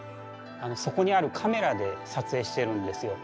そこにあるカメラで撮影してるんですよ。